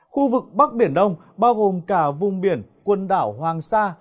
khu vực bắc biển đông bao gồm cả vùng biển quần đảo hoàng sa